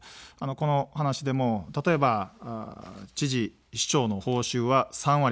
この話でも例えば、知事の報酬は３割カット。